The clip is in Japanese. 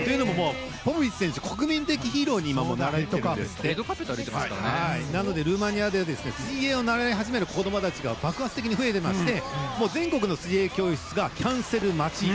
ポポビッチ選手、国民的なヒーローになられたそうでなのでルーマニアで水泳を習い始める子供たちが爆発的に増えていまして全国の水泳教室がキャンセル待ち。